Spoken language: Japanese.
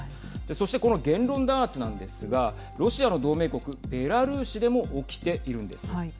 そして、この言論弾圧なんですがロシアの同盟国ベラルーシでも起きているんです。